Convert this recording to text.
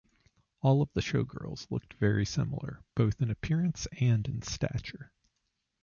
All of the showgirls looked very similar, both in appearance and in stature.